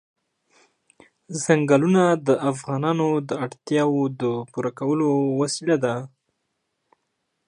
ځنګلونه د افغانانو د اړتیاوو د پوره کولو وسیله ده.